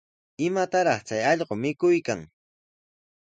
¿Imatataq chay allqu mikuykan?